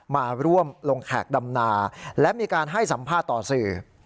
มาร่วมลงแขกดำนาและมีการให้สัมภาษณ์ต่อสื่อ